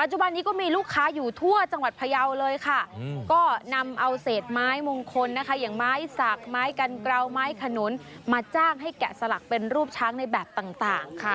ปัจจุบันนี้ก็มีลูกค้าอยู่ทั่วจังหวัดพยาวเลยค่ะก็นำเอาเศษไม้มงคลนะคะอย่างไม้สักไม้กันกราวไม้ขนุนมาจ้างให้แกะสลักเป็นรูปช้างในแบบต่างค่ะ